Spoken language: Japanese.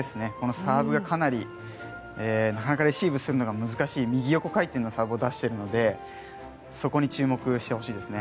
サーブがかなりサーブレシーブするのが難しい右横回転のサーブを出しているのでそこに注目してほしいですね。